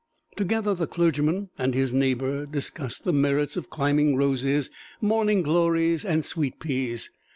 Together the clergyman and his neighbor discussed the merits of climbing roses, morning glories and sweet peas.